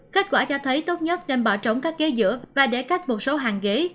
kết quả cho thấy tốt nhất nên bỏ trống các ghế giữa và để cắt một số hàng ghế